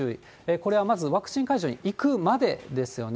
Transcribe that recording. これはまず、ワクチン会場に行くまでですよね。